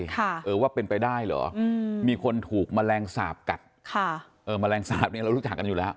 ค่ะเออว่าเป็นไปได้เหรออืมมีคนถูกแมลงสาปกัดค่ะเออแมลงสาปเนี้ยเรารู้จักกันอยู่แล้ว